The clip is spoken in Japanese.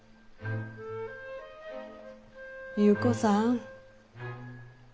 優子さん。